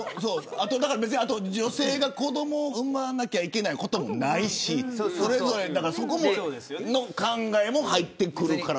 女性が子どもを産まなければいけないこともないしそこの考えも入ってくるから。